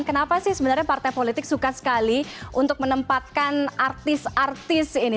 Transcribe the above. kenapa sih sebenarnya partai politik suka sekali untuk menempatkan artis artis ini